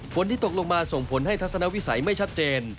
ที่ตกลงมาส่งผลให้ทัศนวิสัยไม่ชัดเจน